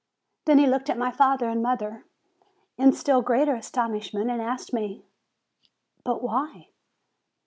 Then he looked at my father and mother, in Still greater astonishment, and asked me : "But why?"